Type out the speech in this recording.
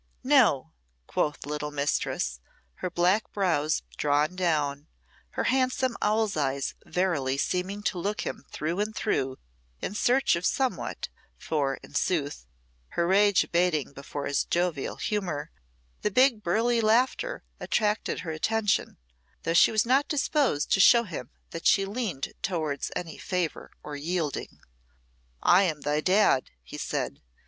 "No," quoth little Mistress, her black brows drawn down, her handsome owl's eyes verily seeming to look him through and through in search of somewhat; for, in sooth, her rage abating before his jovial humour, the big burly laugher attracted her attention, though she was not disposed to show him that she leaned towards any favour or yielding. "I am thy Dad," he said.